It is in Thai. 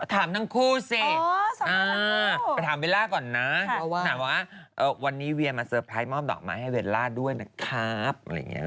ถามทั้งคู่สิไปถามเบลล่าก่อนนะถามว่าวันนี้เวียมาเตอร์ไพรส์มอบดอกไม้ให้เบลล่าด้วยนะครับอะไรอย่างนี้